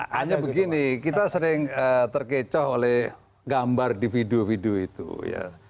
hanya begini kita sering terkecoh oleh gambar di video video itu ya